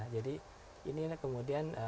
jadi ini kemudian